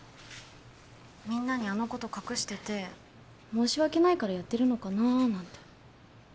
みんなにあのこと隠してて申し訳ないからやってるのかなあなんて